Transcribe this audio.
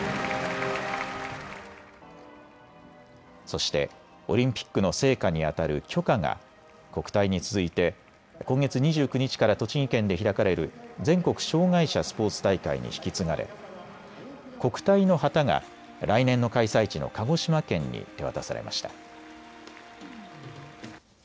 そしてオリンピックの聖火にあたる炬火が国体に続いて今月２９日から栃木県で開かれる全国障害者スポーツ大会に引き継がれ、国体の旗が来年の開催地の鹿児島県に手渡されました。